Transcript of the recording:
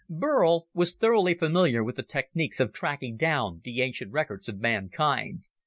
Burl was thoroughly familiar with the techniques of tracking down the ancient records of mankind.